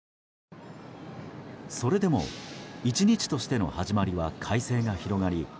それでも１日としての始まりは快晴が広がり